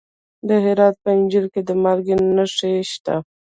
د هرات په انجیل کې د مالګې نښې شته.